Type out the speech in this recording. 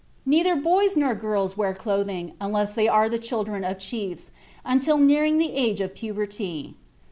Neither boys nor girls wear clothing (unless they are the children of chiefs) until nearing the age of puberty.